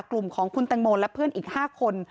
กลุ่มของคุณแตงโมและเพื่อนอีก๕คน